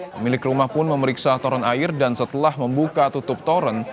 pemilik rumah pun memeriksa toron air dan setelah membuka tutup toron